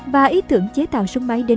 và ý tưởng chế tạo súng máy đến